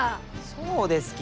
そうですき！